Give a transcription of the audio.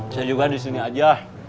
saya juga di sini aja